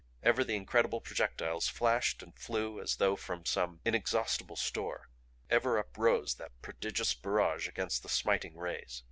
Ever the incredible projectiles flashed and flew as though from some inexhaustible store; ever uprose that prodigious barrage against the smiting rays.